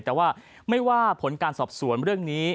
แต่ว่าไม่ว่าผลการสอบสวนเรื่องนี้